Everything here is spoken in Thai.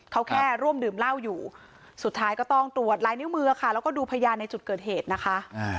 เขาแค่ร่วมดื่มเหล้าอยู่สุดท้ายก็ต้องตรวจลายนิ้วมือค่ะแล้วก็ดูพยานในจุดเกิดเหตุนะคะ